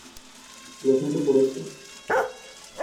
Lo siento por eso.